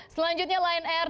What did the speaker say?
selanjutnya line air